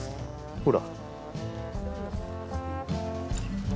ほら。